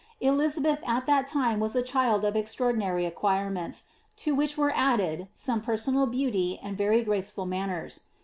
Eli zabeth at that time was a child of extraordinary acquirements, to which were added some personal beauty and very graceful manners.